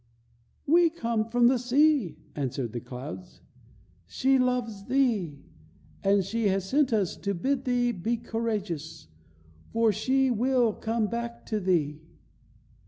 "We come from the sea," answered the clouds. "She loves thee, and she has sent us to bid thee be courageous, for she will come back to thee."